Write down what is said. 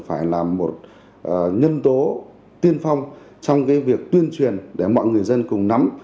phải là một nhân tố tiên phong trong cái việc tuyên truyền để mọi người dân cùng nắm